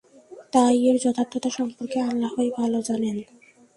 তাই এর যথার্থতা সম্পর্কে আল্লাহ-ই ভালো জানেন।